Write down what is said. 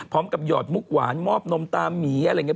พร้อมกับหยอดมุกหวานหมอบนมตามีอะไรอย่างนี้